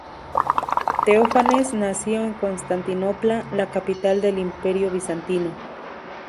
Teófanes nació en Constantinopla, la capital del Imperio bizantino.